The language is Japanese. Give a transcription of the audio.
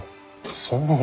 そんなもの。